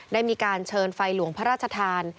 ได้มีการเชิญไฟหลวงพระราชทาน